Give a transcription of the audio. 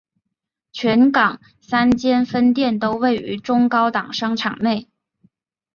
全港三间分店都位于中高档商场内。